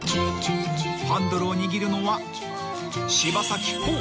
［ハンドルを握るのは柴咲コウ］